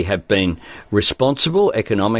kita telah bertanggung jawab secara ekonomis